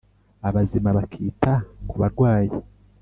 abazima bakita ku barwaye